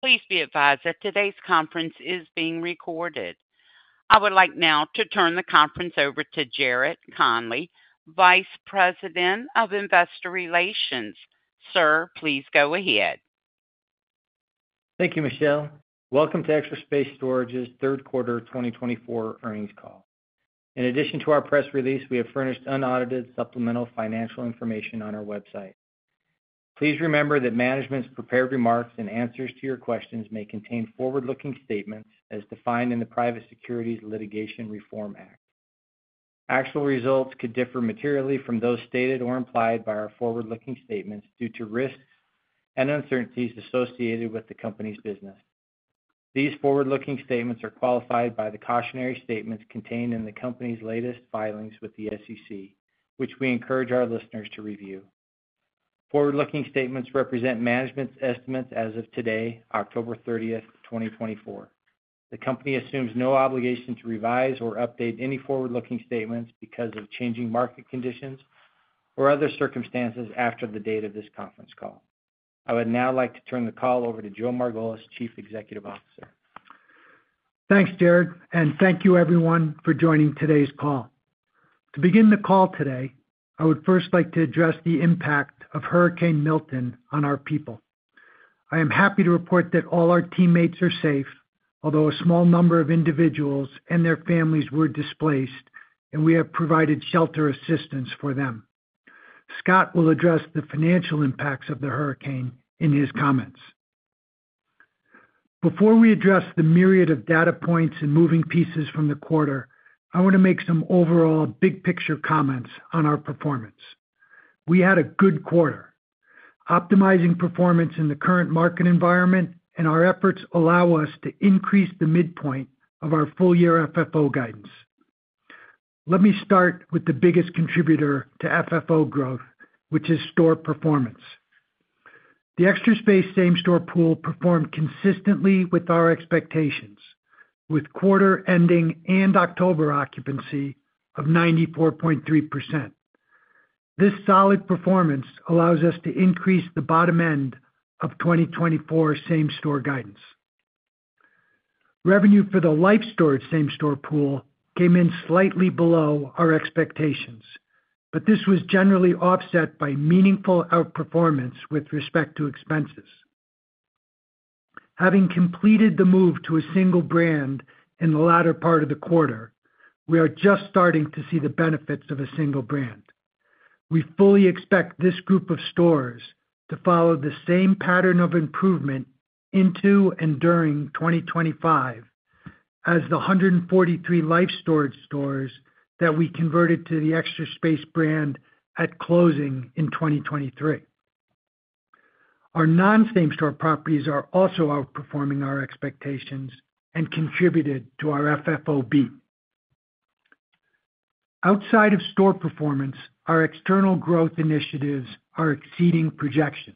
Please be advised that today's conference is being recorded. I would like now to turn the conference over to Jared Conley, Vice President of Investor Relations. Sir, please go ahead. Thank you, Michelle. Welcome to Extra Space Storage's third quarter 2024 earnings call. In addition to our press release, we have furnished unaudited supplemental financial information on our website. Please remember that management's prepared remarks and answers to your questions may contain forward-looking statements as defined in the Private Securities Litigation Reform Act. Actual results could differ materially from those stated or implied by our forward-looking statements due to risks and uncertainties associated with the company's business. These forward-looking statements are qualified by the cautionary statements contained in the company's latest filings with the SEC, which we encourage our listeners to review. Forward-looking statements represent management's estimates as of today, October 30th, 2024. The company assumes no obligation to revise or update any forward-looking statements because of changing market conditions or other circumstances after the date of this conference call. I would now like to turn the call over to Joe Margolis, Chief Executive Officer. Thanks, Jared, and thank you, everyone, for joining today's call. To begin the call today, I would first like to address the impact of Hurricane Milton on our people. I am happy to report that all our teammates are safe, although a small number of individuals and their families were displaced, and we have provided shelter assistance for them. Scott will address the financial impacts of the hurricane in his comments. Before we address the myriad of data points and moving pieces from the quarter, I want to make some overall big-picture comments on our performance. We had a good quarter, optimizing performance in the current market environment, and our efforts allow us to increase the midpoint of our full-year FFO guidance. Let me start with the biggest contributor to FFO growth, which is store performance. The Extra Space Same Store pool performed consistently with our expectations, with quarter-ending and October occupancy of 94.3%. This solid performance allows us to increase the bottom end of 2024 Same Store guidance. Revenue for the Life Storage Same Store pool came in slightly below our expectations, but this was generally offset by meaningful outperformance with respect to expenses. Having completed the move to a single brand in the latter part of the quarter, we are just starting to see the benefits of a single brand. We fully expect this group of stores to follow the same pattern of improvement into and during 2025, as the 143 Life Storage stores that we converted to the Extra Space brand at closing in 2023. Our non-Same Store properties are also outperforming our expectations and contributed to our FFO beat. Outside of store performance, our external growth initiatives are exceeding projections.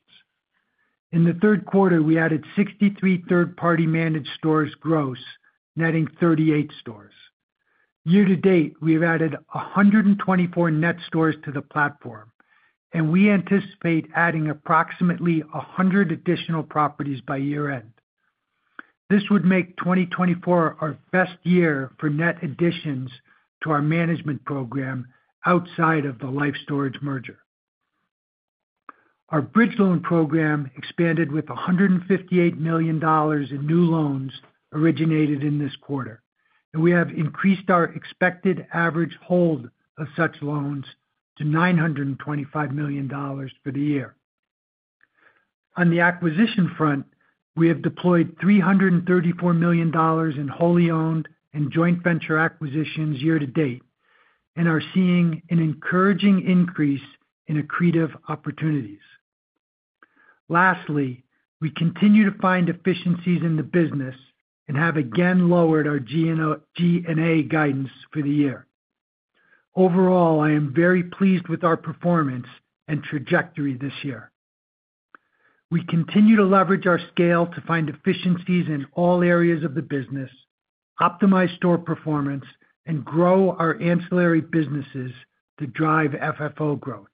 In the third quarter, we added 63 third-party managed stores gross, netting 38 stores. Year to date, we have added 124 net stores to the platform, and we anticipate adding approximately 100 additional properties by year-end. This would make 2024 our best year for net additions to our management program outside of the Life Storage merger. Our Bridge Loan Program expanded with $158 million in new loans originated in this quarter, and we have increased our expected average hold of such loans to $925 million for the year. On the acquisition front, we have deployed $334 million in wholly owned and joint venture acquisitions year-to-date and are seeing an encouraging increase in accretive opportunities. Lastly, we continue to find efficiencies in the business and have again lowered our G&A guidance for the year. Overall, I am very pleased with our performance and trajectory this year. We continue to leverage our scale to find efficiencies in all areas of the business, optimize store performance, and grow our ancillary businesses to drive FFO growth.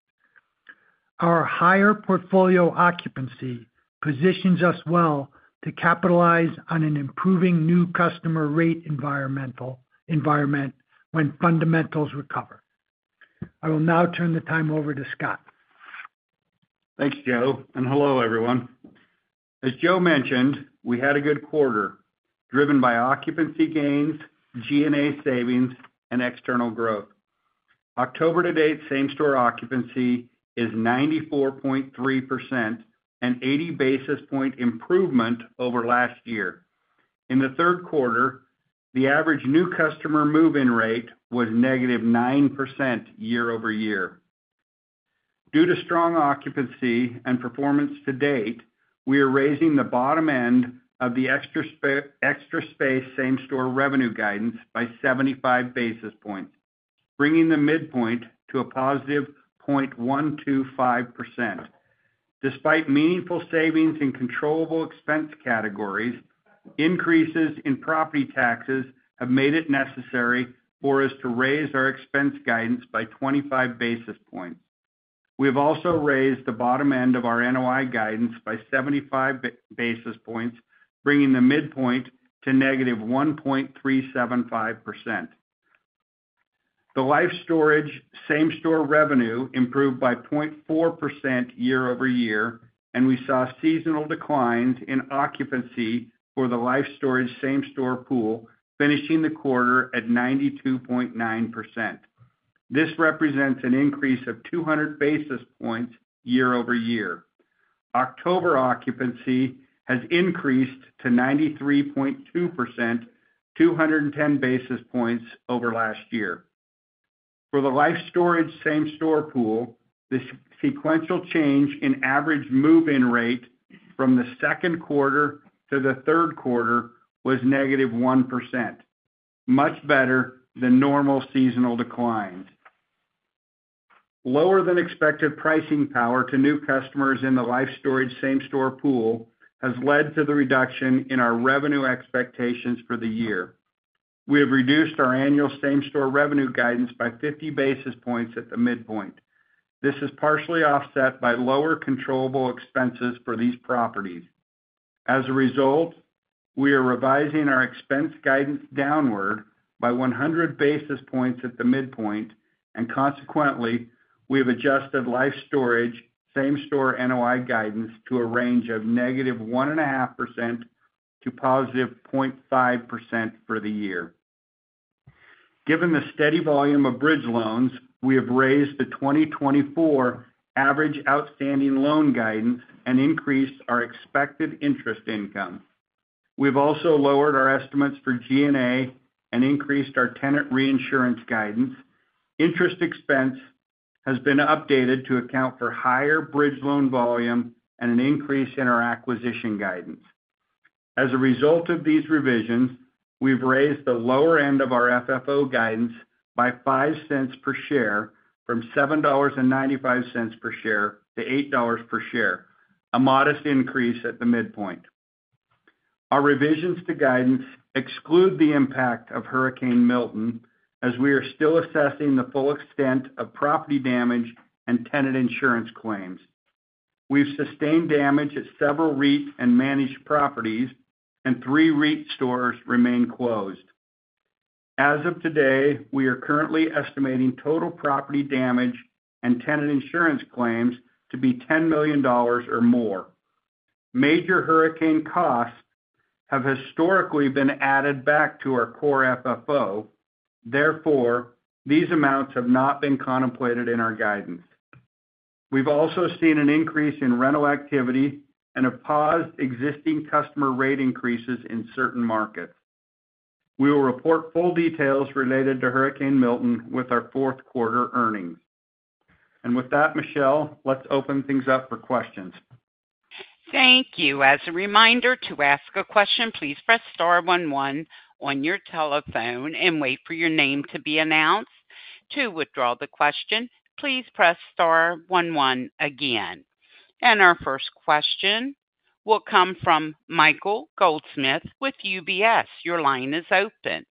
Our higher portfolio occupancy positions us well to capitalize on an improving new customer rate environment when fundamentals recover. I will now turn the time over to Scott. Thanks, Joe, and hello, everyone. As Joe mentioned, we had a good quarter driven by occupancy gains, G&A savings, and external growth. October to date, Same Store occupancy is 94.3%, an 80 basis point improvement over last year. In the third quarter, the average new customer move-in rate was -9% year-over-year. Due to strong occupancy and performance to date, we are raising the bottom end of the Extra Space Same Store revenue guidance by 75 basis points, bringing the midpoint to a +0.125%. Despite meaningful savings in controllable expense categories, increases in property taxes have made it necessary for us to raise our expense guidance by 25 basis points. We have also raised the bottom end of our NOI guidance by 75 basis points, bringing the midpoint to -.375%. The Life Storage Same Store revenue improved by 0.4% year over year, and we saw seasonal declines in occupancy for the Life Storage Same Store pool, finishing the quarter at 92.9%. This represents an increase of 200 basis points year-over-year. October occupancy has increased to 93.2%, 210 basis points over last year. For the Life Storage Same Store pool, the sequential change in average move-in rate from the second quarter to the third quarter was -1%, much better than normal seasonal declines. Lower than expected pricing power to new customers in the Life Storage Same Store pool has led to the reduction in our revenue expectations for the year. We have reduced our annual Same Store revenue guidance by 50 basis points at the midpoint. This is partially offset by lower controllable expenses for these properties. As a result, we are revising our expense guidance downward by 100 basis points at the midpoint, and consequently, we have adjusted Life Storage Same Store NOI guidance to a range of -1.5% to +0.5% for the year. Given the steady volume of bridge loans, we have raised the 2024 average outstanding loan guidance and increased our expected interest income. We have also lowered our estimates for G&A and increased our tenant reinsurance guidance. Interest expense has been updated to account for higher Bridge Loan volume and an increase in our acquisition guidance. As a result of these revisions, we've raised the lower end of our FFO guidance by $0.05 per share from $7.95 per share to $8 per share, a modest increase at the midpoint. Our revisions to guidance exclude the impact of Hurricane Milton, as we are still assessing the full extent of property damage and tenant insurance claims. We've sustained damage at several REIT and managed properties, and three REIT stores remain closed. As of today, we are currently estimating total property damage and tenant insurance claims to be $10 million or more. Major hurricane costs have historically been added back to our core FFO. Therefore, these amounts have not been contemplated in our guidance. We've also seen an increase in rental activity and have paused existing customer rate increases in certain markets. We will report full details related to Hurricane Milton with our fourth quarter earnings. And with that, Michelle, let's open things up for questions. Thank you. As a reminder, to ask a question, please press Star one one on your telephone and wait for your name to be announced. To withdraw the question, please press Star one one again. Our first question will come from Michael Goldsmith with UBS. Your line is open.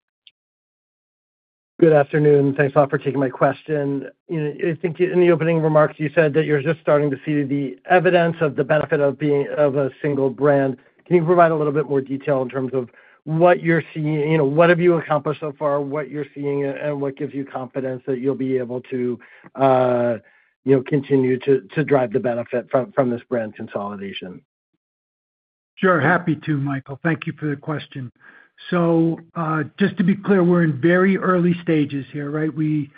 Good afternoon. Thanks a lot for taking my question. I think in the opening remarks, you said that you're just starting to see the evidence of the benefit of a single brand. Can you provide a little bit more detail in terms of what you're seeing? What have you accomplished so far, what you're seeing, and what gives you confidence that you'll be able to continue to drive the benefit from this brand consolidation? Sure. Happy to, Michael. Thank you for the question. So, just to be clear, we're in very early stages here, right? We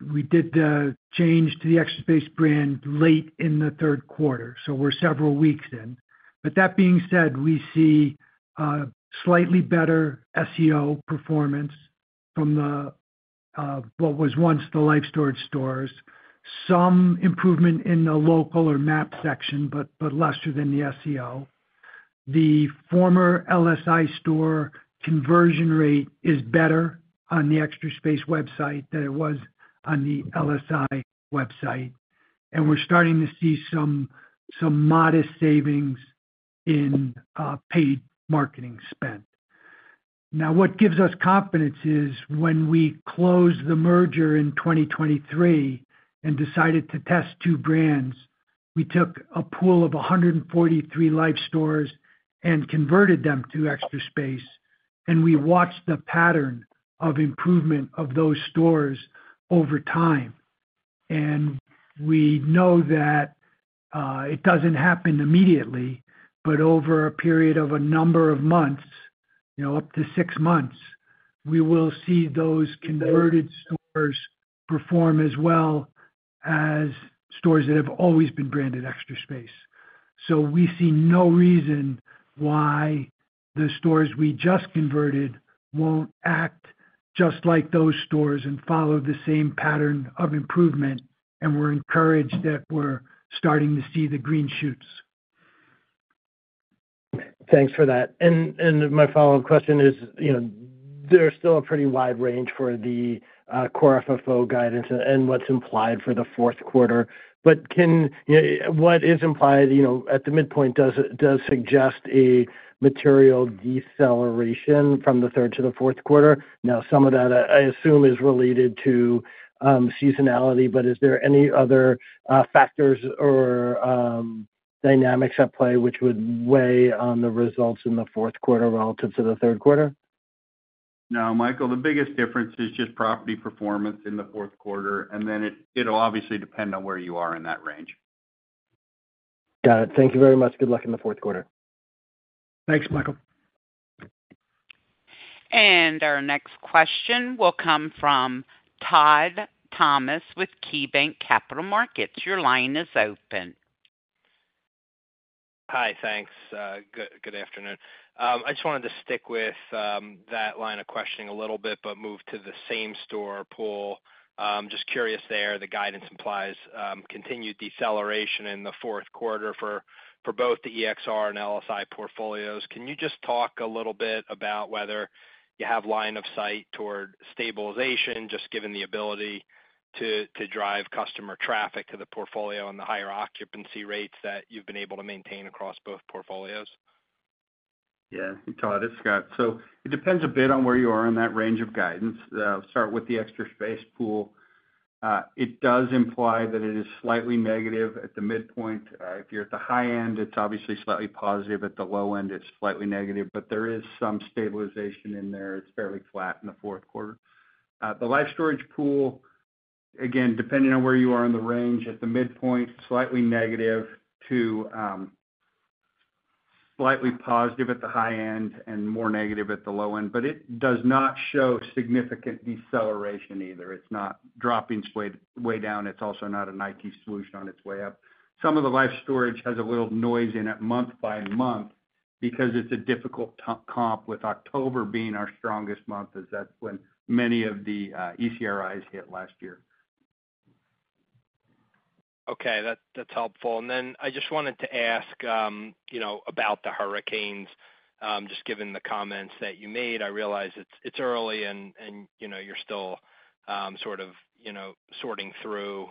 did the change to the Extra Space brand late in the third quarter, so we're several weeks in, but that being said, we see slightly better SEO performance from what was once the Life Storage stores, some improvement in the local or map section, but lesser than the SEO. The former LSI store conversion rate is better on the Extra Space website than it was on the LSI website, and we're starting to see some modest savings in paid marketing spend. Now, what gives us confidence is when we closed the merger in 2023 and decided to test two brands, we took a pool of 143 Life Stores and converted them to Extra Space, and we watched the pattern of improvement of those stores over time. We know that it doesn't happen immediately, but over a period of a number of months, up to six months, we will see those converted stores perform as well as stores that have always been branded Extra Space. We see no reason why the stores we just converted won't act just like those stores and follow the same pattern of improvement, and we're encouraged that we're starting to see the green shoots. Thanks for that. And my follow-up question is, there's still a pretty wide range for the Core FFO guidance and what's implied for the fourth quarter. But what is implied at the midpoint does suggest a material deceleration from the third to the fourth quarter. Now, some of that, I assume, is related to seasonality, but is there any other factors or dynamics at play which would weigh on the results in the fourth quarter relative to the third quarter? No, Michael. The biggest difference is just property performance in the fourth quarter, and then it'll obviously depend on where you are in that range. Got it. Thank you very much. Good luck in the fourth quarter. Thanks, Michael. And our next question will come from Todd Thomas with KeyBanc Capital Markets. Your line is open. Hi, thanks. Good afternoon. I just wanted to stick with that line of questioning a little bit, but move to the Same Store pool. Just curious there, the guidance implies continued deceleration in the fourth quarter for both the EXR and LSI portfolios. Can you just talk a little bit about whether you have line of sight toward stabilization, just given the ability to drive customer traffic to the portfolio and the higher occupancy rates that you've been able to maintain across both portfolios? Yeah. Todd, it's Scott. So it depends a bit on where you are in that range of guidance. Start with the Extra Space pool. It does imply that it is slightly negative at the midpoint. If you're at the high end, it's obviously slightly positive. At the low end, it's slightly negative, but there is some stabilization in there. It's fairly flat in the fourth quarter. The Life Storage pool, again, depending on where you are in the range, at the midpoint, slightly negative to slightly positive at the high end and more negative at the low end, but it does not show significant deceleration either. It's not dropping way down. It's also not a Nike swoosh on its way up. Some of the Life Storage has a little noise in it month by month because it's a difficult comp with October being our strongest month, as that's when many of the ECRIs hit last year. Okay. That's helpful. And then I just wanted to ask about the hurricanes, just given the comments that you made. I realize it's early and you're still sort of sorting through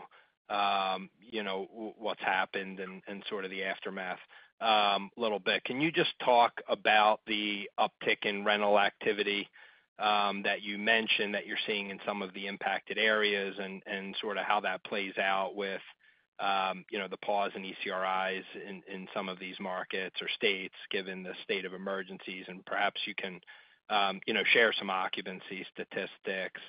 what's happened and sort of the aftermath a little bit. Can you just talk about the uptick in rental activity that you mentioned that you're seeing in some of the impacted areas and sort of how that plays out with the pause in ECRIs in some of these markets or states, given the state of emergencies? And perhaps you can share some occupancy statistics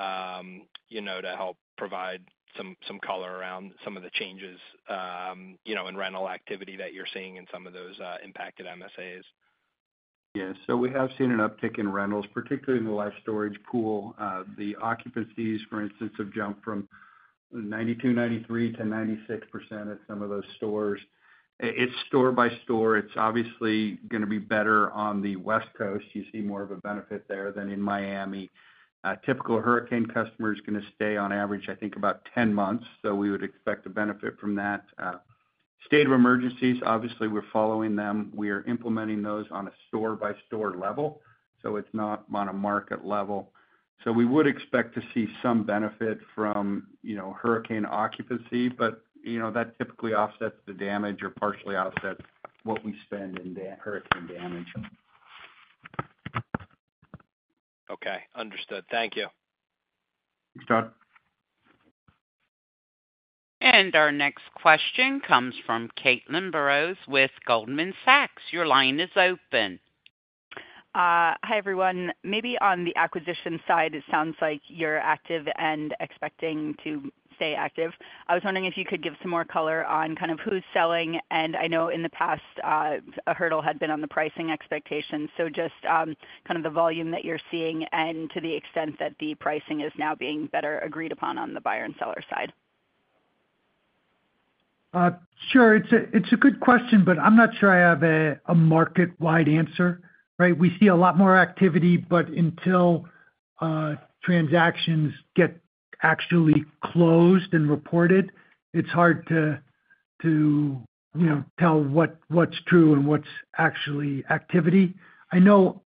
to help provide some color around some of the changes in rental activity that you're seeing in some of those impacted MSAs? Yeah. So we have seen an uptick in rentals, particularly in the Life Storage pool. The occupancies, for instance, have jumped from 92%, 93%-6% at some of those stores. It's store by store. It's obviously going to be better on the West Coast. You see more of a benefit there than in Miami. Typical hurricane customer is going to stay on average, I think, about 10 months, so we would expect a benefit from that. State of emergencies, obviously, we're following them. We are implementing those on a store by store level, so it's not on a market level. So we would expect to see some benefit from hurricane occupancy, but that typically offsets the damage or partially offsets what we spend in hurricane damage. Okay. Understood. Thank you. Thanks, Todd. Our next question comes from Caitlin Burrows with Goldman Sachs. Your line is open. Hi, everyone. Maybe on the acquisition side, it sounds like you're active and expecting to stay active. I was wondering if you could give some more color on kind of who's selling? And I know in the past, a hurdle had been on the pricing expectations. So just kind of the volume that you're seeing and to the extent that the pricing is now being better agreed upon on the buyer and seller side? Sure. It's a good question, but I'm not sure I have a market-wide answer, right? We see a lot more activity, but until transactions get actually closed and reported, it's hard to tell what's true and what's actually activity. I know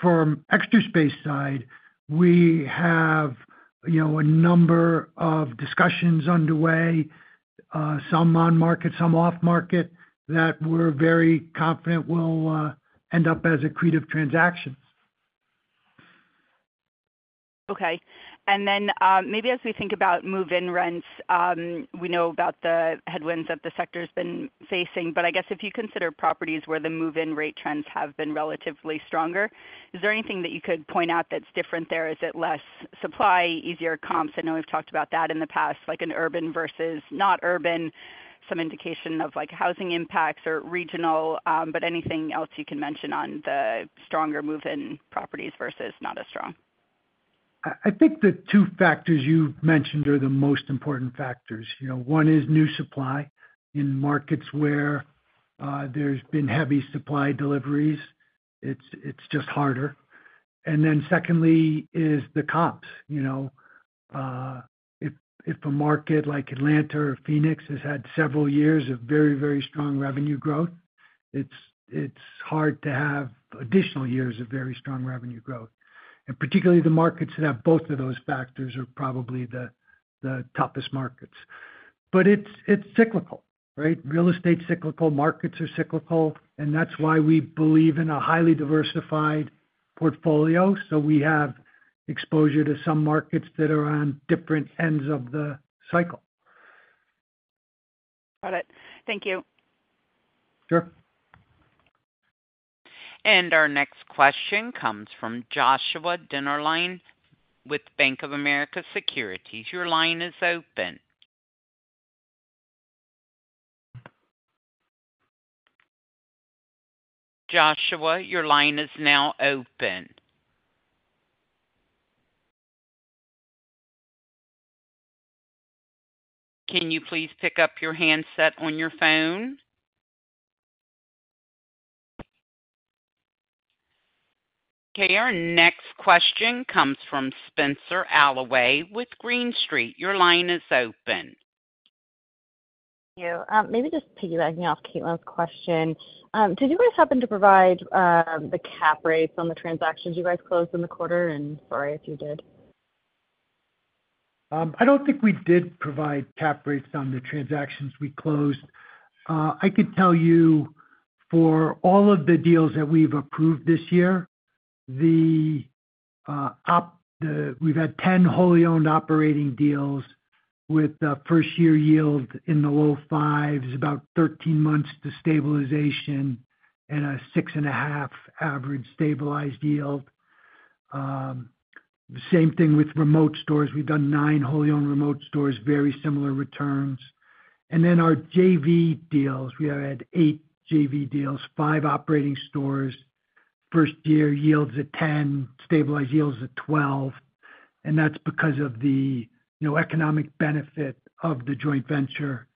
from Extra Space side, we have a number of discussions underway, some on market, some off market, that we're very confident will end up as accretive transactions. Okay. And then maybe as we think about move-in rents, we know about the headwinds that the sector has been facing, but I guess if you consider properties where the move-in rate trends have been relatively stronger, is there anything that you could point out that's different there? Is it less supply, easier comps? I know we've talked about that in the past, like an urban versus not urban, some indication of housing impacts or regional, but anything else you can mention on the stronger move-in properties versus not as strong? I think the two factors you've mentioned are the most important factors. One is new supply. In markets where there's been heavy supply deliveries, it's just harder. And then secondly is the comps. If a market like Atlanta or Phoenix has had several years of very, very strong revenue growth, it's hard to have additional years of very strong revenue growth. And particularly the markets that have both of those factors are probably the toughest markets. But it's cyclical, right? Real estate's cyclical, markets are cyclical, and that's why we believe in a highly diversified portfolio, so we have exposure to some markets that are on different ends of the cycle. Got it. Thank you. Sure. And our next question comes from Joshua Dennerlein with Bank of America Securities. Your line is open. Joshua, your line is now open. Can you please pick up your handset on your phone? Okay. Our next question comes from Spenser Allaway with Green Street. Your line is open. Thank you. Maybe just piggybacking off Caitlin's question. Did you guys happen to provide the cap rates on the transactions you guys closed in the quarter? And sorry if you did. I don't think we did provide cap rates on the transactions we closed. I could tell you for all of the deals that we've approved this year, we've had ten wholly owned operating deals with a first-year yield in the low fives, about thirteen months to stabilization, and a six-and-a-half average stabilized yield. Same thing with remote stores. We've done nine wholly owned remote stores, very similar returns. And then our JV deals, we have had eight JV deals, five operating stores, first-year yields at 10, stabilized yields at 12, and that's because of the economic benefit of the joint venture.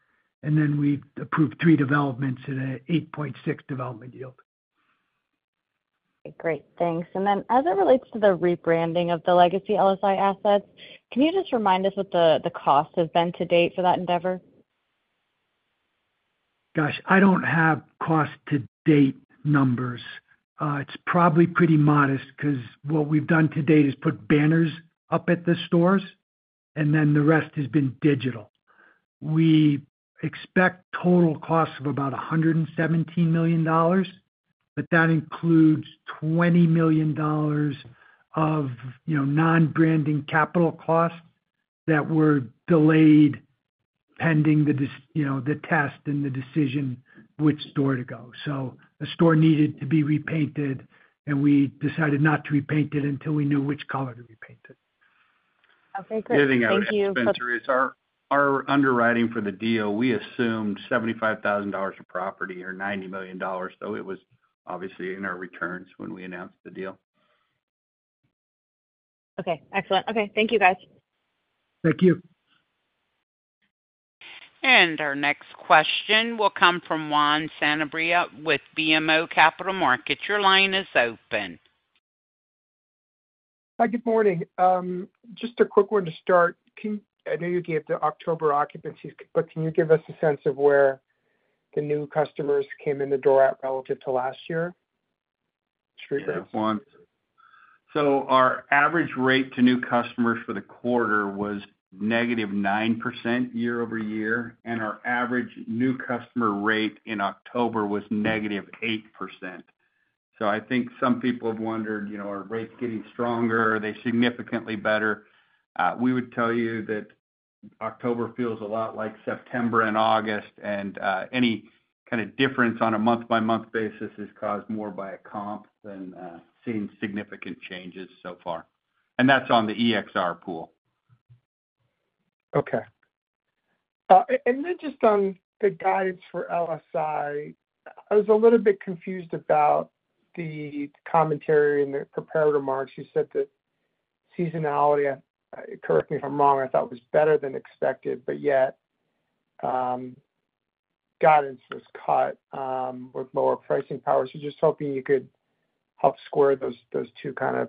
And then we've approved three developments at an 8.6 development yield. Okay. Great. Thanks. And then as it relates to the rebranding of the legacy LSI assets, can you just remind us what the cost has been to date for that endeavor? Gosh, I don't have cost-to-date numbers. It's probably pretty modest because what we've done to date is put banners up at the stores, and then the rest has been digital. We expect total costs of about $117 million, but that includes $20 million of non-branding capital costs that were delayed pending the test and the decision which store to go. So a store needed to be repainted, and we decided not to repaint it until we knew which color to repaint it. Okay. Great. Thank you. The other thing I would say is our underwriting for the deal, we assumed $75,000 of property or $90 million, so it was obviously in our returns when we announced the deal. Okay. Excellent. Okay. Thank you, guys. Thank you. Our next question will come from Juan Sanabria with BMO Capital Markets. Your line is open. Hi, good morning. Just a quick one to start. I know you gave the October occupancies, but can you give us a sense of where the new customers came in the door at relative to last year? Good one. Our average rate to new customers for the quarter was -9% year-over-year, and our average new customer rate in October was -8%. Some people have wondered, "Are rates getting stronger? Are they significantly better?" We would tell you that October feels a lot like September and August, and any kind of difference on a month-by-month basis is caused more by a comp than seeing significant changes so far. That's on the EXR pool. Okay. And then just on the guidance for LSI, I was a little bit confused about the commentary and the prepared remarks. You said that seasonality, correct me if I'm wrong, I thought was better than expected, but yet guidance was cut with lower pricing power. So just hoping you could help square those two kind of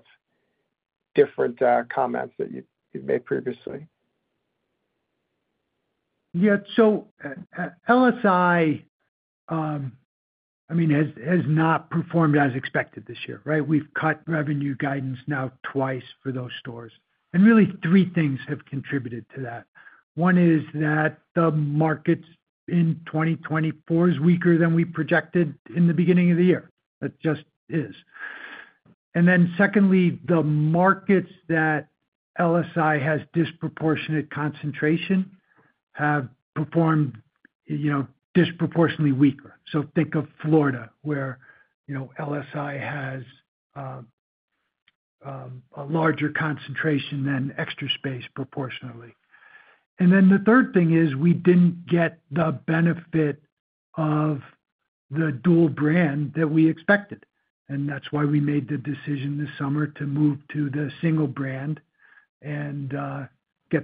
different comments that you made previously. Yeah. So LSI, I mean, has not performed as expected this year, right? We've cut revenue guidance now twice for those stores. And really, three things have contributed to that. One is that the markets in 2024 are weaker than we projected in the beginning of the year. That just is. And then secondly, the markets that LSI has disproportionate concentration have performed disproportionately weaker. So think of Florida, where LSI has a larger concentration than Extra Space proportionately. And then the third thing is we didn't get the benefit of the dual brand that we expected. And that's why we made the decision this summer to move to the single brand and hope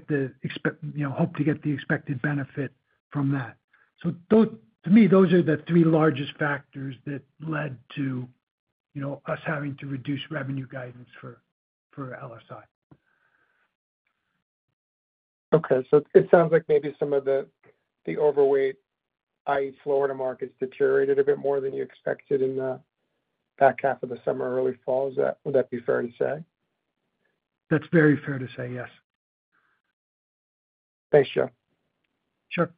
to get the expected benefit from that. So to me, those are the three largest factors that led to us having to reduce revenue guidance for LSI. Okay. So it sounds like maybe some of the overweight, i.e., Florida markets, deteriorated a bit more than you expected in the back half of the summer, early fall. Would that be fair to say? That's very fair to say, yes. Thanks, Joe. Sure.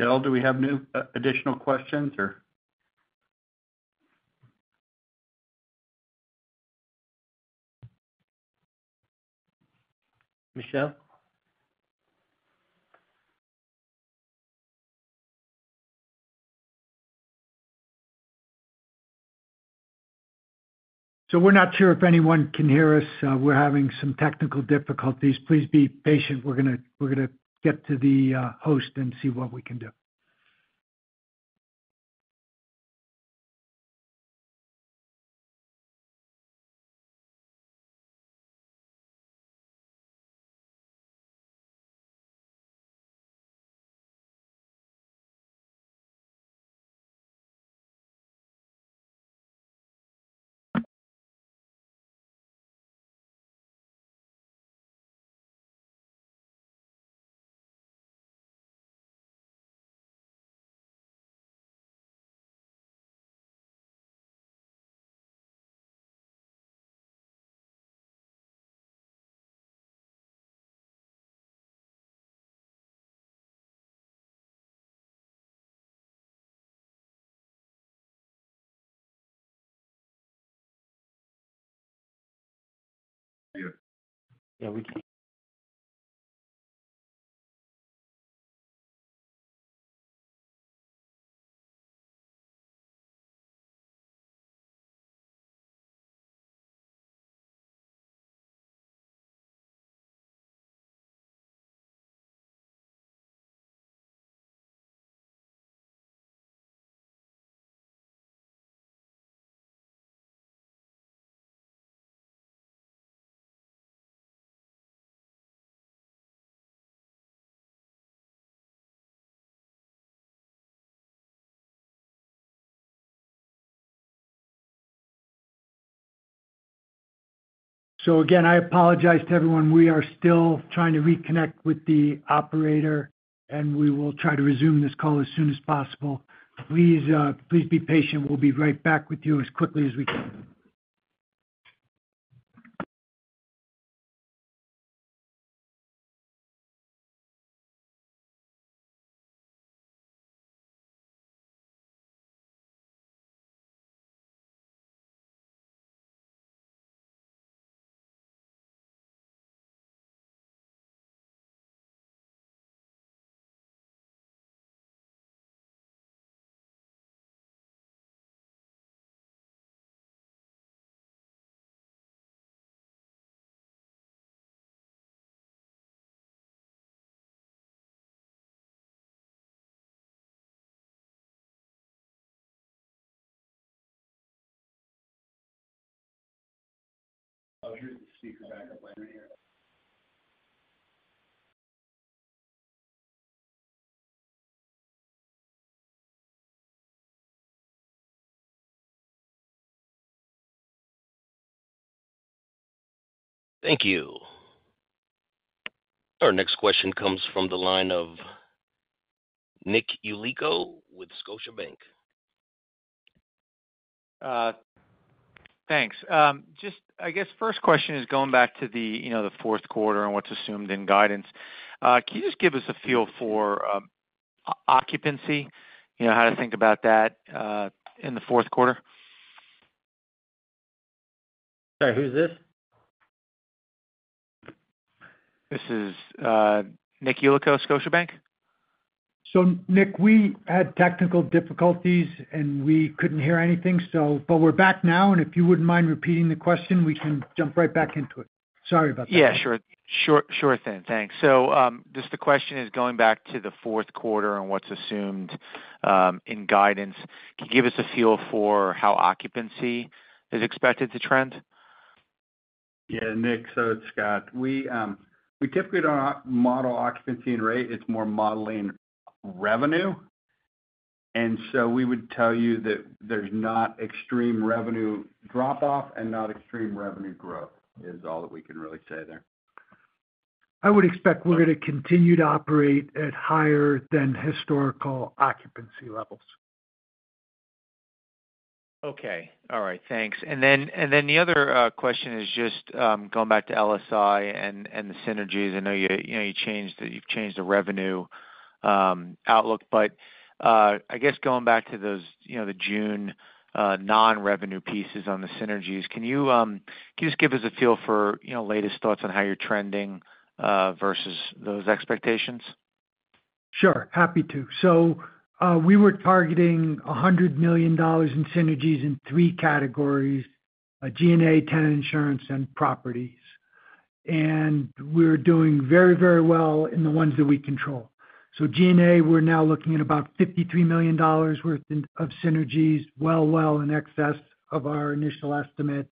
Michelle, do we have additional questions, or? Michelle? So we're not sure if anyone can hear us. We're having some technical difficulties. Please be patient. We're going to get to the host and see what we can do. Yeah. We can. So again, I apologize to everyone. We are still trying to reconnect with the operator, and we will try to resume this call as soon as possible. Please be patient. We'll be right back with you as quickly as we can. Thank you. Our next question comes from the line of Nick Yulico with Scotiabank. Thanks. Just I guess first question is going back to the fourth quarter and what's assumed in guidance. Can you just give us a feel for occupancy, how to think about that in the fourth quarter? Sorry. Who's this? This is Nick Yulico, Scotiabank. So Nick, we had technical difficulties, and we couldn't hear anything, but we're back now. And if you wouldn't mind repeating the question, we can jump right back into it. Sorry about that. Yeah. Sure. Sure thing. Thanks. So just the question is going back to the fourth quarter and what's assumed in guidance. Can you give us a feel for how occupancy is expected to trend? Yeah. Nick, so it's Scott. We typically don't model occupancy and rate. It's more modeling revenue, and so we would tell you that there's not extreme revenue drop-off and not extreme revenue growth is all that we can really say there. I would expect we're going to continue to operate at higher than historical occupancy levels. Okay. All right. Thanks. And then the other question is just going back to LSI and the synergies. I know you've changed the revenue outlook, but I guess going back to the June non-revenue pieces on the synergies, can you just give us a feel for latest thoughts on how you're trending versus those expectations? Sure. Happy to. We were targeting $100 million in synergies in three categories: G&A, tenant insurance, and properties. We're doing very, very well in the ones that we control. G&A, we're now looking at about $53 million worth of synergies, well, well in excess of our initial estimate.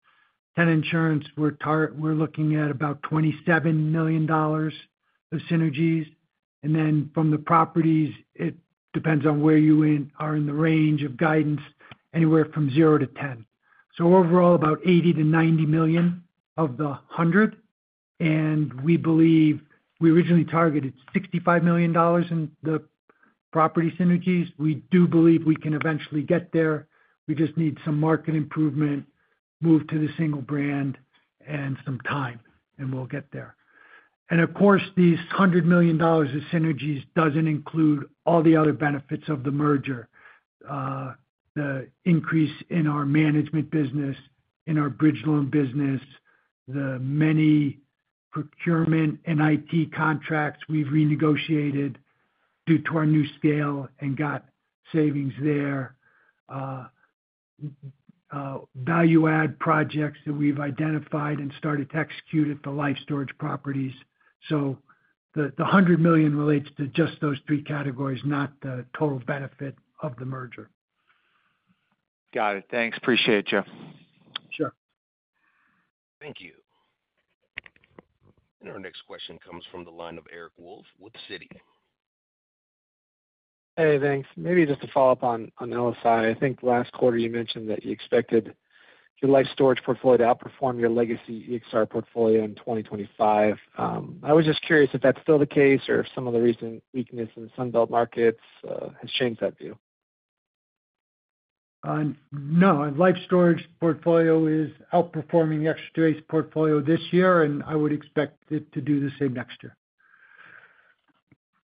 Tenant insurance, we're looking at about $27 million of synergies. From the properties, it depends on where you are in the range of guidance, anywhere from $0-$10 million. Overall, about $80 million-$90 million of the $100 million. We believe we originally targeted $65 million in the property synergies. We do believe we can eventually get there. We just need some market improvement, move to the single brand, and some time, and we'll get there. Of course, these $100 million of synergies doesn't include all the other benefits of the merger, the increase in our management business, in our Bridge Loan business, the many procurement and IT contracts we've renegotiated due to our new scale and got savings there, value-add projects that we've identified and started to execute at the Life Storage properties. The $100 million relates to just those three categories, not the total benefit of the merger. Got it. Thanks. Appreciate you. Sure. Thank you. And our next question comes from the line of Eric Wolfe with Citi. Hey, thanks. Maybe just to follow up on LSI. I think last quarter you mentioned that you expected your Life Storage portfolio to outperform your legacy EXR portfolio in 2025. I was just curious if that's still the case or if some of the recent weakness in Sunbelt markets has changed that view? No. Life Storage portfolio is outperforming the Extra Space portfolio this year, and I would expect it to do the same next year.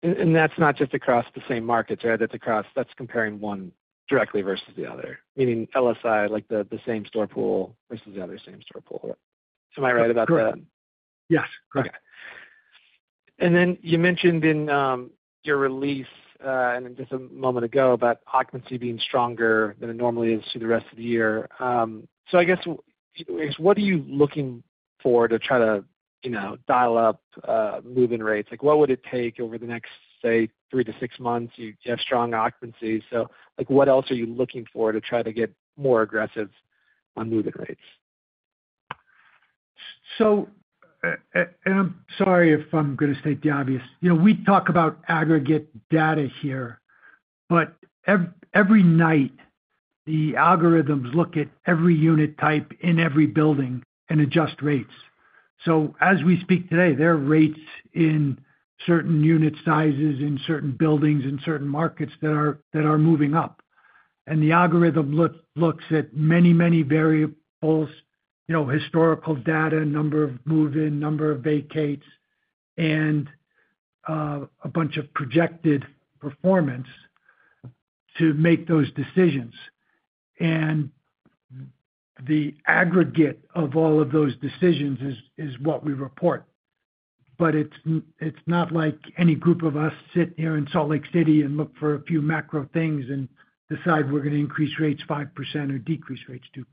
And that's not just across the same markets, right? That's comparing one directly versus the other, meaning LSI, the same store pool versus the other same store pool. Am I right about that? Yes. Correct. Okay. And then you mentioned in your release just a moment ago about occupancy being stronger than it normally is through the rest of the year. So I guess, what are you looking for to try to dial up moving rates? What would it take over the next, say, three to six months? You have strong occupancy. So what else are you looking for to try to get more aggressive on moving rates? I'm sorry if I'm going to state the obvious. We talk about aggregate data here, but every night, the algorithms look at every unit type in every building and adjust rates. So as we speak today, there are rates in certain unit sizes, in certain buildings, in certain markets that are moving up. The algorithm looks at many, many variables: historical data, number of move-in, number of vacates, and a bunch of projected performance to make those decisions. The aggregate of all of those decisions is what we report. It's not like any group of us sit here in Salt Lake City and look for a few macro things and decide we're going to increase rates 5% or decrease rates 2%.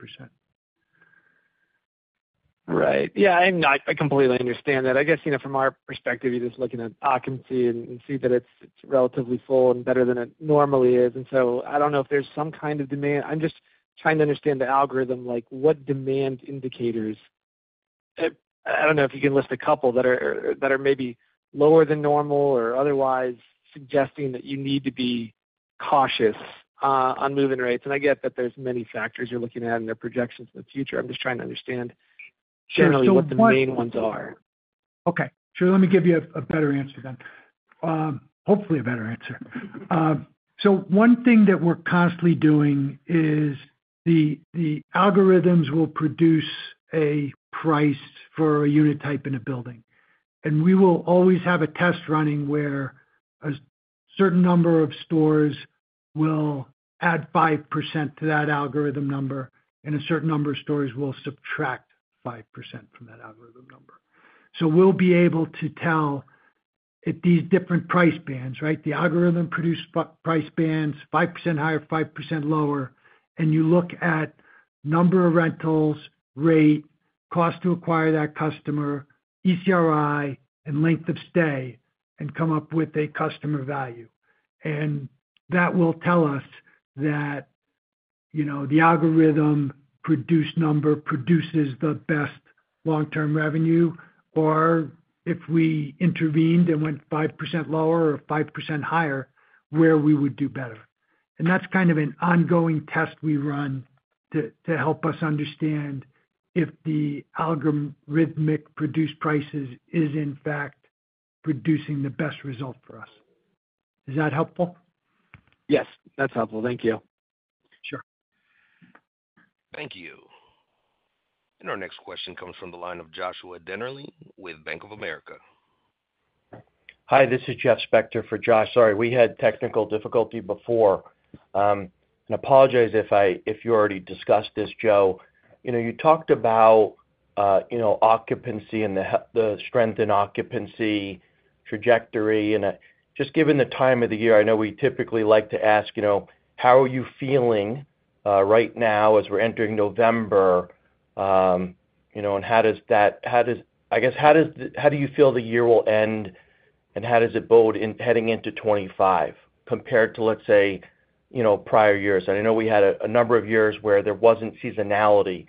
Right. Yeah. And I completely understand that. I guess from our perspective, you're just looking at occupancy and see that it's relatively full and better than it normally is. And so I don't know if there's some kind of demand. I'm just trying to understand the algorithm, what demand indicators, I don't know if you can list a couple that are maybe lower than normal or otherwise suggesting that you need to be cautious on moving rates. And I get that there's many factors you're looking at and their projections in the future. I'm just trying to understand generally what the main ones are. Okay. Sure. Let me give you a better answer then. Hopefully, a better answer. So one thing that we're constantly doing is the algorithms will produce a price for a unit type in a building. And we will always have a test running where a certain number of stores will add 5% to that algorithm number, and a certain number of stores will subtract 5% from that algorithm number. So we'll be able to tell these different price bands, right? The algorithm produced price bands, 5% higher, 5% lower, and you look at number of rentals, rate, cost to acquire that customer, ECRI, and length of stay, and come up with a customer value. And that will tell us that the algorithm produced number produces the best long-term revenue, or if we intervened and went 5% lower or 5% higher, where we would do better. That's kind of an ongoing test we run to help us understand if the algorithmically produced prices are, in fact, producing the best result for us. Is that helpful? Yes. That's helpful. Thank you. Sure. Thank you. Our next question comes from the line of Joshua Dennerlein with Bank of America. Hi. This is Jeff Spector for Josh. Sorry. We had technical difficulty before. And apologize if you already discussed this, Joe. You talked about occupancy and the strength in occupancy trajectory. And just given the time of the year, I know we typically like to ask, how are you feeling right now as we're entering November? And how does that, I guess, how do you feel the year will end, and how does it bode heading into 2025 compared to, let's say, prior years? And I know we had a number of years where there wasn't seasonality,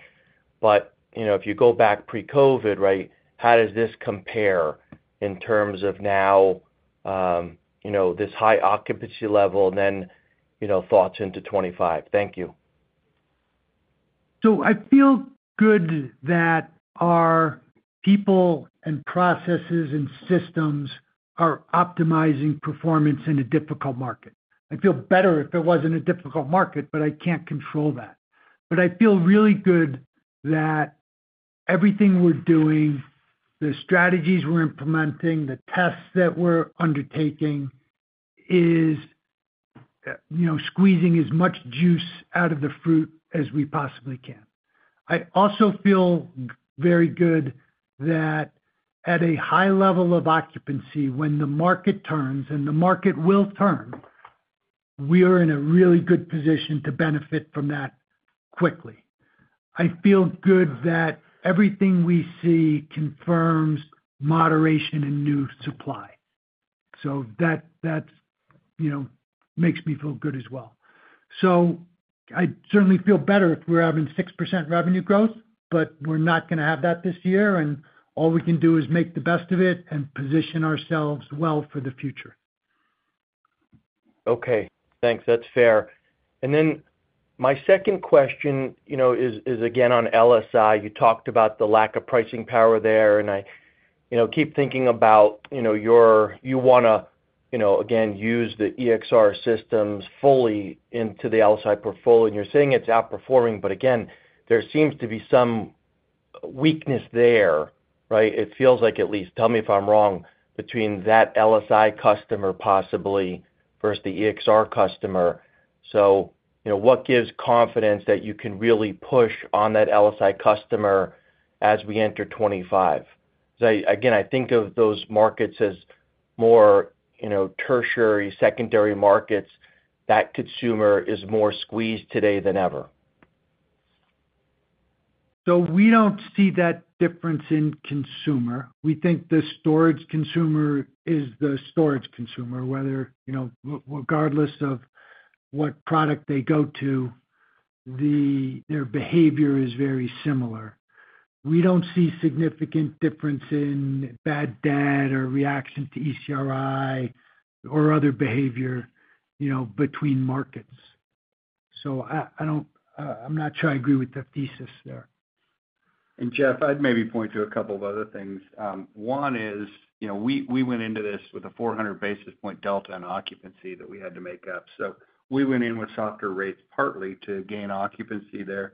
but if you go back pre-COVID, right? How does this compare in terms of now this high occupancy level and then thoughts into 2025? Thank you. So I feel good that our people and processes and systems are optimizing performance in a difficult market. I'd feel better if it wasn't a difficult market, but I can't control that. But I feel really good that everything we're doing, the strategies we're implementing, the tests that we're undertaking is squeezing as much juice out of the fruit as we possibly can. I also feel very good that at a high level of occupancy, when the market turns, and the market will turn, we are in a really good position to benefit from that quickly. I feel good that everything we see confirms moderation in new supply. So that makes me feel good as well. So I'd certainly feel better if we're having 6% revenue growth, but we're not going to have that this year. All we can do is make the best of it and position ourselves well for the future. Okay. Thanks. That's fair. And then my second question is, again, on LSI. You talked about the lack of pricing power there. And I keep thinking about you want to, again, use the EXR systems fully into the LSI portfolio. And you're saying it's outperforming, but again, there seems to be some weakness there, right? It feels like, at least, tell me if I'm wrong, between that LSI customer possibly versus the EXR customer. So what gives confidence that you can really push on that LSI customer as we enter 2025? Because again, I think of those markets as more tertiary secondary markets. That consumer is more squeezed today than ever. We don't see that difference in consumer. We think the storage consumer is the storage consumer, whether regardless of what product they go to, their behavior is very similar. We don't see significant difference in bad debt or reaction to ECRI or other behavior between markets. I'm not sure I agree with that thesis there. And Jeff, I'd maybe point to a couple of other things. One is we went into this with a 400 basis point delta in occupancy that we had to make up. So we went in with softer rates partly to gain occupancy there.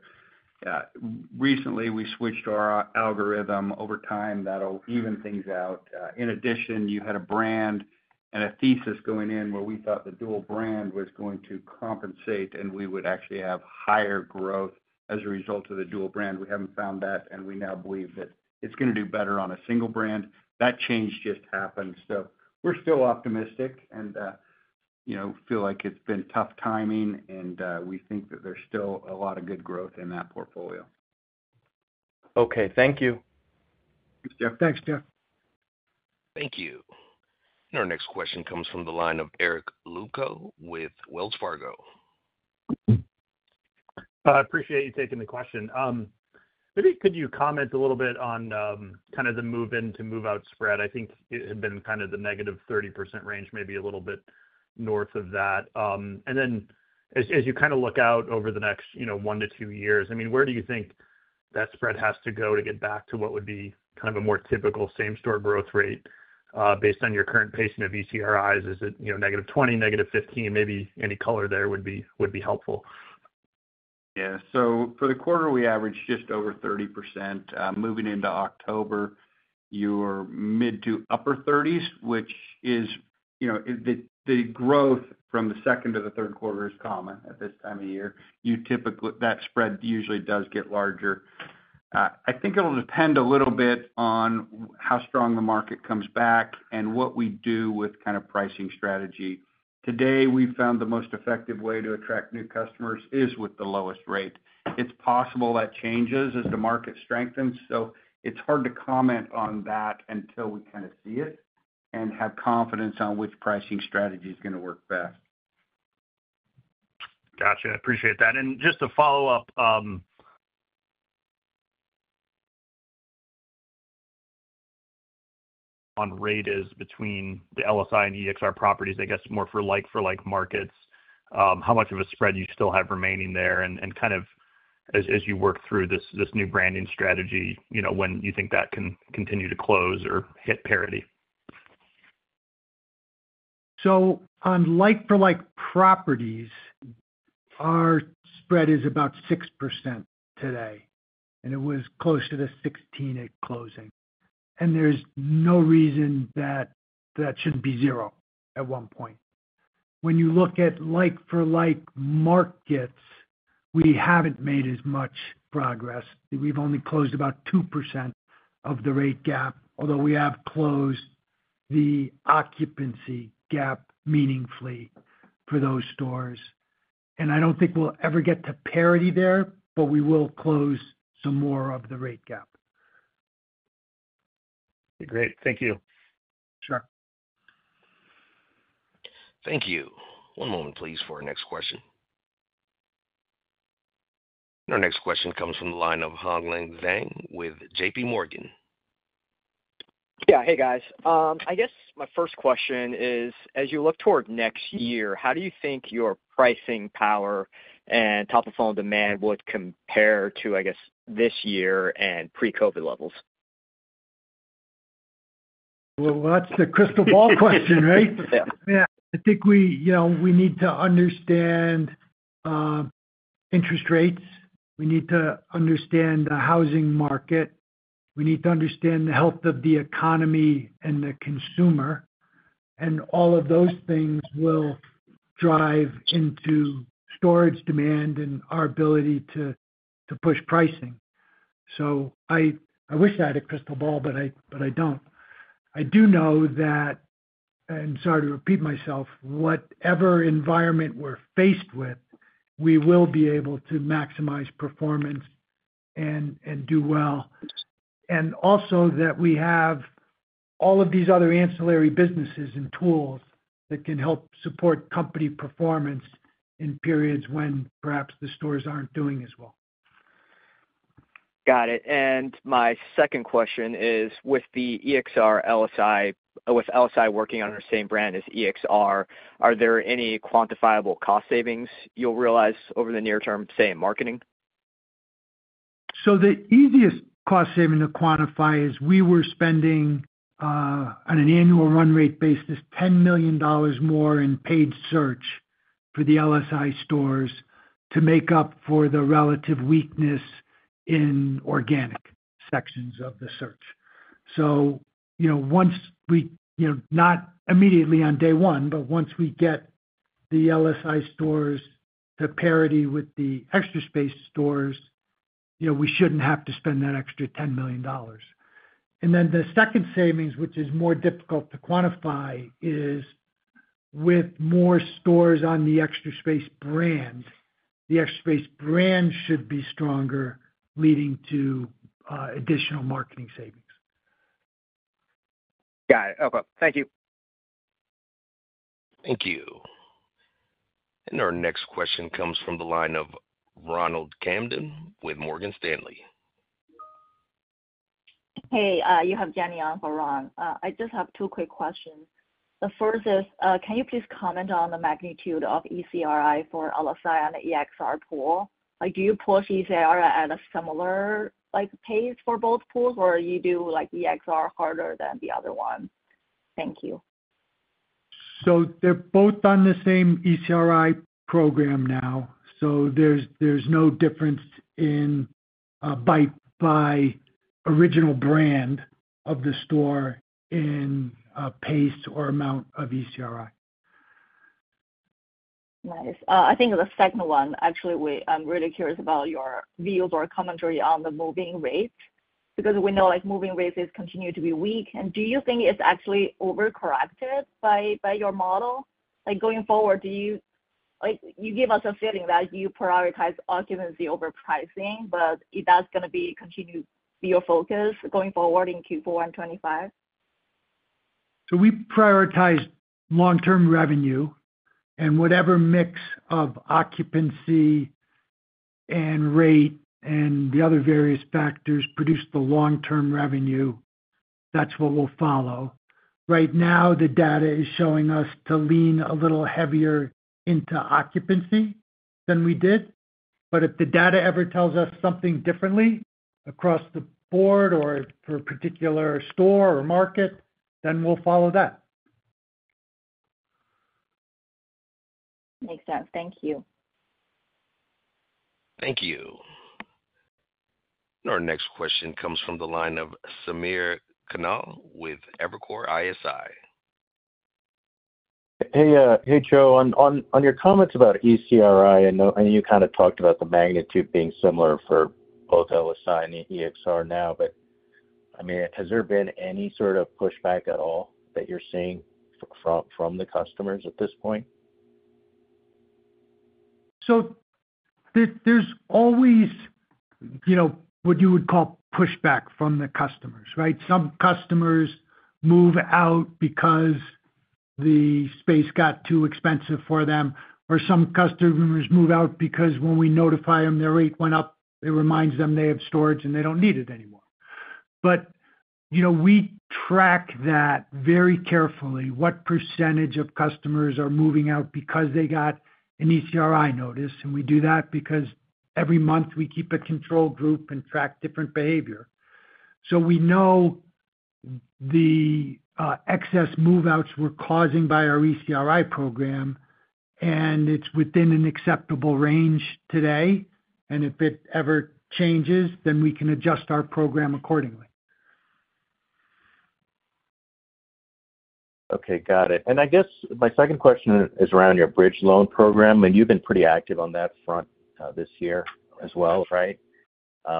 Recently, we switched our algorithm over time that'll even things out. In addition, you had a brand and a thesis going in where we thought the dual brand was going to compensate, and we would actually have higher growth as a result of the dual brand. We haven't found that, and we now believe that it's going to do better on a single brand. That change just happened. So we're still optimistic and feel like it's been tough timing, and we think that there's still a lot of good growth in that portfolio. Okay. Thank you. Thanks, Jeff. Thanks, Jeff. Thank you. And our next question comes from the line of Eric Luebchow with Wells Fargo. I appreciate you taking the question. Maybe could you comment a little bit on kind of the move-in to move-out spread? I think it had been kind of the -30% range, maybe a little bit north of that. And then as you kind of look out over the next one to two years, I mean, where do you think that spread has to go to get back to what would be kind of a more typical same-store growth rate based on your current pattern of ECRIs? Is it -20%, -15%? Maybe any color there would be helpful. Yeah. So for the quarter, we averaged just over 30%. Moving into October, you were mid- to upper-30s, which is the growth from the second to the third quarter is common at this time of year. That spread usually does get larger. I think it'll depend a little bit on how strong the market comes back and what we do with kind of pricing strategy. Today, we found the most effective way to attract new customers is with the lowest rate. It's possible that changes as the market strengthens. So it's hard to comment on that until we kind of see it and have confidence on which pricing strategy is going to work best. Gotcha. Appreciate that, and just to follow up on the rate spread between the LSI and EXR properties, I guess, more for like-for-like markets, how much of a spread you still have remaining there and kind of as you work through this new branding strategy, when you think that can continue to close or hit parity? On like-for-like properties, our spread is about 6% today, and it was close to 16% at closing. There's no reason that that shouldn't be 0% at one point. When you look at like-for-like markets, we haven't made as much progress. We've only closed about 2% of the rate gap, although we have closed the occupancy gap meaningfully for those stores. I don't think we'll ever get to parity there, but we will close some more of the rate gap. Great. Thank you. Sure. Thank you. One moment, please, for our next question, and our next question comes from the line of Hong Zhang with JPMorgan. Yeah. Hey, guys. I guess my first question is, as you look toward next year, how do you think your pricing power and top-of-funnel demand would compare to, I guess, this year and pre-COVID levels? That's the crystal ball question, right? I think we need to understand interest rates. We need to understand the housing market. We need to understand the health of the economy and the consumer, and all of those things will drive into storage demand and our ability to push pricing, so I wish I had a crystal ball, but I don't. I do know that, and sorry to repeat myself, whatever environment we're faced with, we will be able to maximize performance and do well, and also that we have all of these other ancillary businesses and tools that can help support company performance in periods when perhaps the stores aren't doing as well. Got it. And my second question is, with the EXR, LSI, with LSI working on the same brand as EXR, are there any quantifiable cost savings you'll realize over the near-term, say, in marketing? So the easiest cost saving to quantify is we were spending on an annual run rate basis $10 million more in paid search for the LSI stores to make up for the relative weakness in organic sections of the search. So once we, not immediately on day one, but once we get the LSI stores to parity with the Extra Space stores, we shouldn't have to spend that extra $10 million. And then the second savings, which is more difficult to quantify, is with more stores on the Extra Space brand. The Extra Space brand should be stronger, leading to additional marketing savings. Got it. Okay. Thank you. Thank you. And our next question comes from the line of Ronald Kamdem with Morgan Stanley. Hey, you have Jenny on for Ron. I just have two quick questions. The first is, can you please comment on the magnitude of ECRI for LSI and EXR pool? Do you push ECRI at a similar pace for both pools, or you do EXR harder than the other one? Thank you. So they've both done the same ECRI program now. So there's no difference in the original brand of the store in pace or amount of ECRI. Nice. I think the second one, actually, I'm really curious about your views or commentary on the moving rates because we know moving rates continue to be weak, and do you think it's actually overcorrected by your model? Going forward, you give us a feeling that you prioritize occupancy over pricing, but that's going to continue to be your focus going forward in Q4 and 2025. So we prioritize long-term revenue, and whatever mix of occupancy and rate and the other various factors produce the long-term revenue, that's what we'll follow. Right now, the data is showing us to lean a little heavier into occupancy than we did. But if the data ever tells us something differently across the board or for a particular store or market, then we'll follow that. Makes sense. Thank you. Thank you. And our next question comes from the line of Samir Khanal with Evercore ISI. Hey, Joe. On your comments about ECRI, I know you kind of talked about the magnitude being similar for both LSI and EXR now, but I mean, has there been any sort of pushback at all that you're seeing from the customers at this point? There's always what you would call pushback from the customers, right? Some customers move out because the space got too expensive for them, or some customers move out because when we notify them, their rate went up, it reminds them they have storage and they don't need it anymore. But we track that very carefully, what percentage of customers are moving out because they got an ECRI notice. And we do that because every month we keep a control group and track different behavior. So we know the excess move-outs we're causing by our ECRI program, and it's within an acceptable range today. And if it ever changes, then we can adjust our program accordingly. Okay. Got it. And I guess my second question is around your Bridge Loan Program. And you've been pretty active on that front this year as well, right?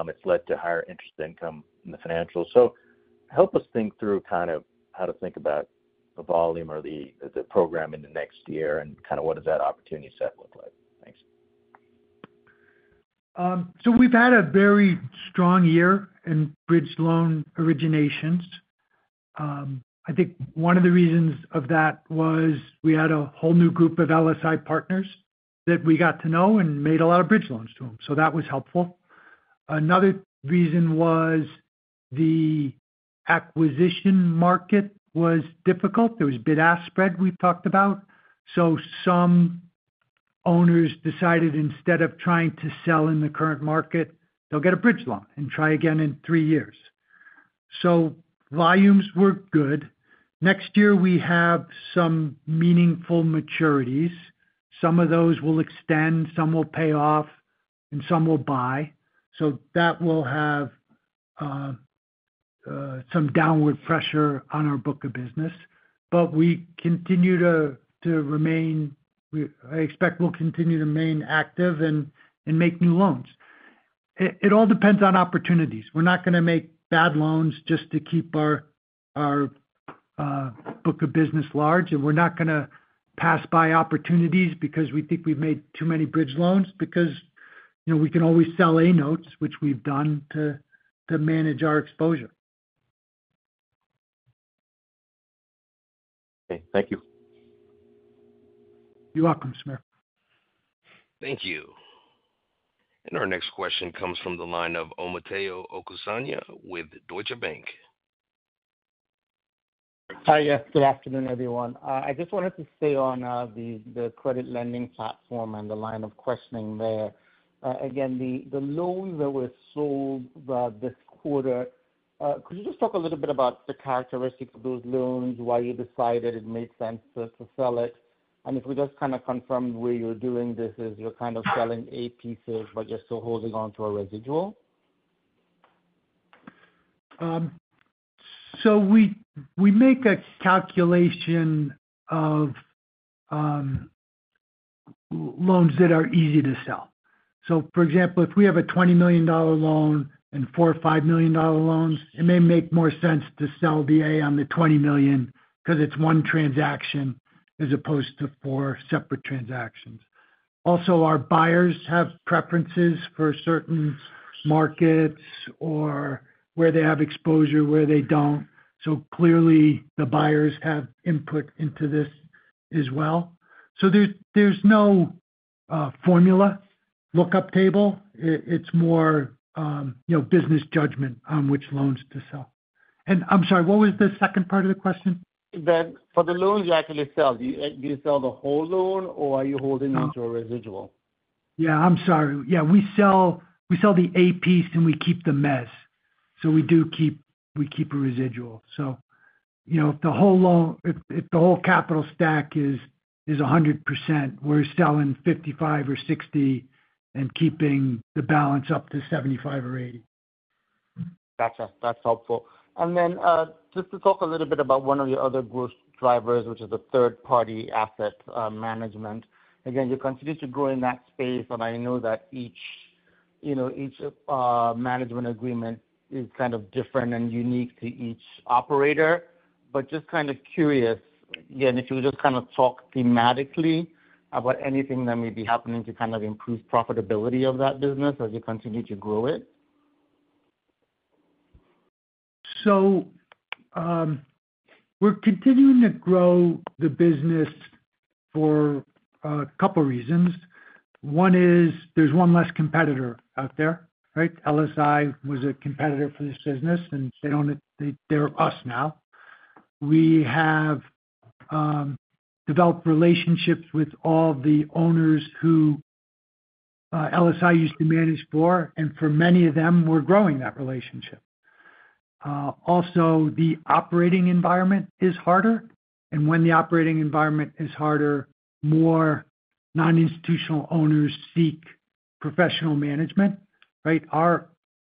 It's led to higher interest income in the financials. So help us think through kind of how to think about the volume or the program in the next year and kind of what does that opportunity set look like? Thanks. So we've had a very strong year in Bridge Loan originations. I think one of the reasons of that was we had a whole new group of LSI partners that we got to know and made a lot of Bridge Loans to them. So that was helpful. Another reason was the acquisition market was difficult. There was bid-ask spread we've talked about. So some owners decided instead of trying to sell in the current market, they'll get a Bridge Loan and try again in three years. So volumes were good. Next year, we have some meaningful maturities. Some of those will extend, some will pay off, and some will buy. So that will have some downward pressure on our book of business. But we continue to remain, I expect we'll continue to remain active and make new loans. It all depends on opportunities. We're not going to make bad loans just to keep our book of business large, and we're not going to pass by opportunities because we think we've made too many Bridge Loans because we can always sell A-notes, which we've done to manage our exposure. Okay. Thank you. You're welcome, Samir. Thank you. Our next question comes from the line of Omotayo Okusanya with Deutsche Bank. Hi, yes. Good afternoon, everyone. I just wanted to stay on the credit lending platform and the line of questioning there. Again, the loans that were sold this quarter, could you just talk a little bit about the characteristics of those loans, why you decided it made sense to sell it? And if we just kind of confirm where you're doing this is you're kind of selling A pieces, but you're still holding on to a residual? So we make a calculation of loans that are easy to sell. So for example, if we have a $20 million loan and four or $5 million loans, it may make more sense to sell the A on the $20 million because it's one transaction as opposed to four separate transactions. Also, our buyers have preferences for certain markets or where they have exposure, where they don't. So clearly, the buyers have input into this as well. So there's no formula lookup table. It's more business judgment on which loans to sell. And I'm sorry, what was the second part of the question? For the loans you actually sell, do you sell the whole loan, or are you holding on to a residual? Yeah. I'm sorry. Yeah. We sell the A piece, and we keep the mezz. So we do keep a residual. So if the whole capital stack is 100%, we're selling 55 or 60 and keeping the balance up to 75 or 80. Gotcha. That's helpful. And then just to talk a little bit about one of your other growth drivers, which is the third-party asset management. Again, you continue to grow in that space, and I know that each management agreement is kind of different and unique to each operator. But just kind of curious, again, if you would just kind of talk thematically about anything that may be happening to kind of improve profitability of that business as you continue to grow it. So we're continuing to grow the business for a couple of reasons. One is there's one less competitor out there, right? LSI was a competitor for this business, and they're us now. We have developed relationships with all the owners who LSI used to manage for, and for many of them, we're growing that relationship. Also, the operating environment is harder. And when the operating environment is harder, more non-institutional owners seek professional management, right?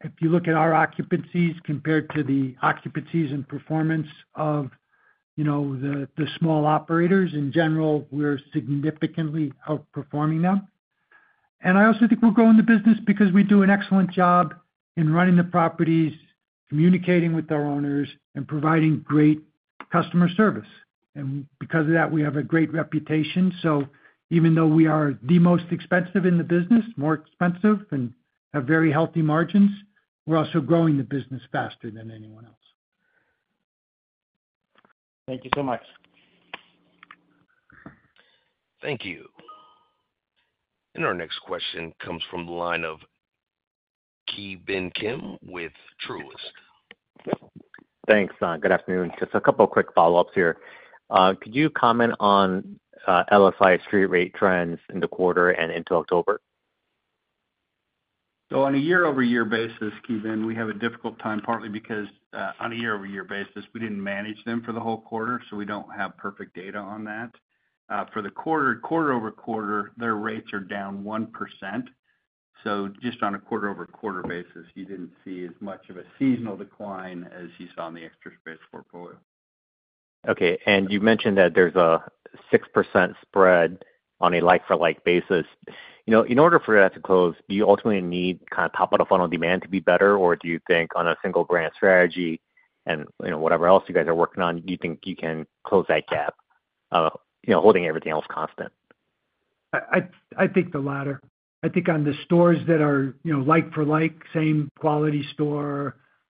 If you look at our occupancies compared to the occupancies and performance of the small operators, in general, we're significantly outperforming them. And I also think we're growing the business because we do an excellent job in running the properties, communicating with our owners, and providing great customer service. And because of that, we have a great reputation. So even though we are the most expensive in the business, more expensive, and have very healthy margins, we're also growing the business faster than anyone else. Thank you so much. Thank you. And our next question comes from the line of Ki Bin Kim with Truist. Thanks, Scott. Good afternoon. Just a couple of quick follow-ups here. Could you comment on LSI street rate trends in the quarter and into October? So on a year-over-year basis, Ki Bin, we have a difficult time partly because on a year-over-year basis, we didn't manage them for the whole quarter, so we don't have perfect data on that. For the quarter-over-quarter, their rates are down 1%. So just on a quarter-over-quarter basis, you didn't see as much of a seasonal decline as you saw in the Extra Space portfolio. Okay. And you mentioned that there's a 6% spread on a like-for-like basis. In order for that to close, do you ultimately need kind of top-of-the-funnel demand to be better, or do you think on a single-brand strategy and whatever else you guys are working on, you think you can close that gap holding everything else constant? I think the latter. I think on the stores that are like-for-like, same quality store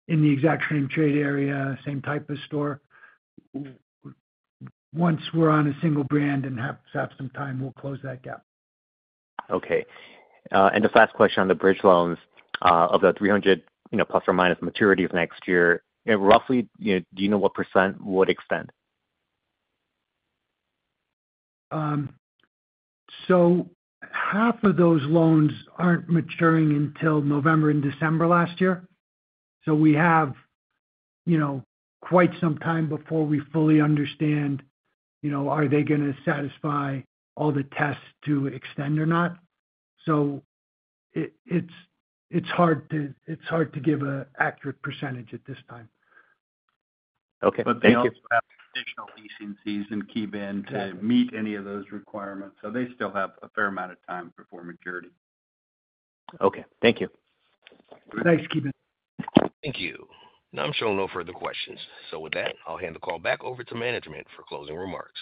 in the exact same trade area, same type of store, once we're on a single brand and have some time, we'll close that gap. Okay. And the last question on the Bridge Loans of the 300 plus or minus maturities next year, roughly, do you know what % would extend? So half of those loans aren't maturing until November and December last year. So we have quite some time before we fully understand, are they going to satisfy all the tests to extend or not? So it's hard to give an accurate percentage at this time. Okay. Thank you. But they also have additional ECCs and Ki Bin to meet any of those requirements. So they still have a fair amount of time before maturity. Okay. Thank you. Thanks, Ki Bin. Thank you. And I'm sure no further questions. So with that, I'll hand the call back over to management for closing remarks.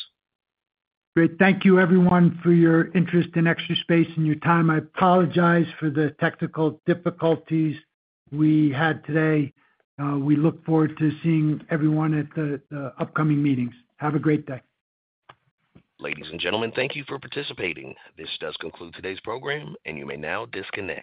Great. Thank you, everyone, for your interest in Extra Space and your time. I apologize for the technical difficulties we had today. We look forward to seeing everyone at the upcoming meetings. Have a great day. Ladies and gentlemen, thank you for participating. This does conclude today's program, and you may now disconnect.